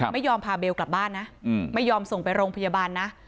ไม่ยอมพาเบลกลับบ้านนะไม่ยอมส่งไปโรงพยาบาลนะ